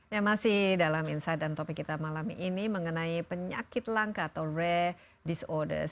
ya masih dalam insight dan topik kita malam ini mengenai penyakit langka atau re disorders